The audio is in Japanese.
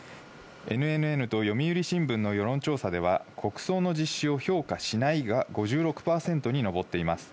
ＮＮＮと読売新聞の世論調査では、国葬の実施を評価しないが５６％に上っています。